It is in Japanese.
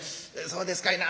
「そうですかいな。